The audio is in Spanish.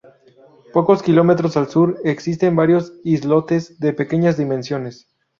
Pocos kilómetros al sur existen varios islotes de pequeñas dimensiones.